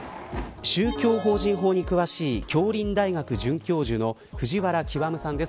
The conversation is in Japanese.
宗教法人法に詳しい杏林大学准教授の藤原究さんです。